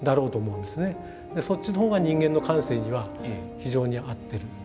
そっちのほうが人間の感性には非常に合ってる。